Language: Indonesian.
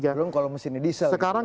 belum kalau mesin di diesel